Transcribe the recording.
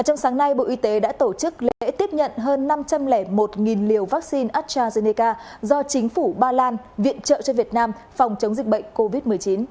trong sáng nay bộ y tế đã tổ chức lễ tiếp nhận hơn năm trăm linh một liều vaccine astrazeneca do chính phủ ba lan viện trợ cho việt nam phòng chống dịch bệnh covid một mươi chín